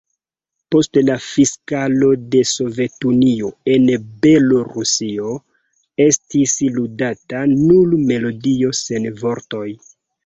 Post la disfalo de Sovetunio en Belorusio estis ludata nur melodio, sen vortoj.